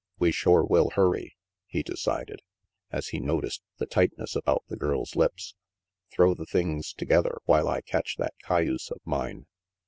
"We shore will hurry," he decided, as he noticed the tightness about the girl's lips. "Throw the things together while I catch that cayuse of mine."